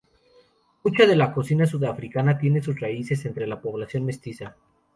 Mucha de la cocina sudafricana tiene sus raíces entre la población mestiza.